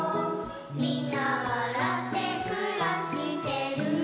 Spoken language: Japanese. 「みんなわらってくらしてる」